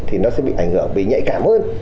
thì nó sẽ bị ảnh hưởng vì nhạy cảm hơn